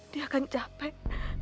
dia kan capek